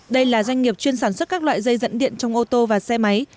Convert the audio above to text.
đây là doanh nghiệp chuyên sản xuất các loại dây dẫn điện trong ô tô và xe máy